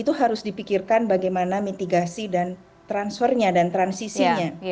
itu harus dipikirkan bagaimana mitigasi dan transfernya dan transisinya